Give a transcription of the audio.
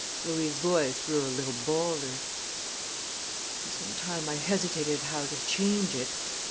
Louis' voice grew a little bolder. "For some time I hesitated how to change it.